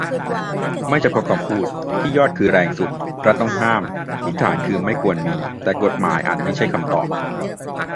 ไม่เฉพาะคำพูด ที่ยอดคือแรงสุด รัฐต้องห้าม ที่ฐานคือไม่ควรมี แต่กฎหมายอาจไม่ใช่คำตอบ